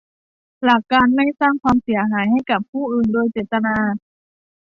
หลักการไม่สร้างความเสียหายให้กับผู้อื่นโดยเจตนา